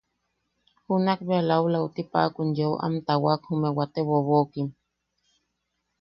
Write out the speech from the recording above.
Junak bea laulauti paʼakun yeu am tawaak jume wate bobokim.